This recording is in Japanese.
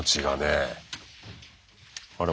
あれ？